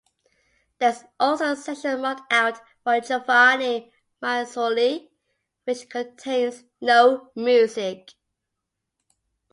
There is also a section marked out for Giovanni Mazzuoli which contains no music.